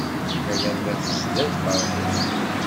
Ala ma tezla lferḥ-iw.